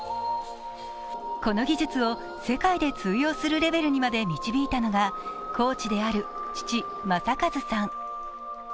この技術を世界で通用するレベルにまで導いたのが、コーチである父・正和さん。